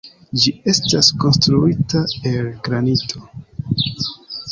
Ĝi estas konstruita el granito.